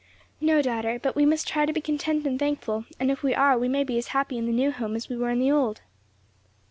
"No, daughter; but we must try to be content and thankful; and if we are, we may be as happy in the new home as we were in the old."